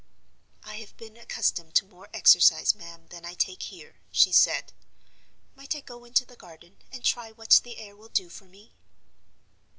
"I have been accustomed to more exercise, ma'am, than I take here," she said. "Might I go into the garden, and try what the air will do for me?"